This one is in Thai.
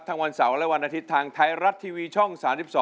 วันเสาร์และวันอาทิตย์ทางไทยรัฐทีวีช่อง๓๒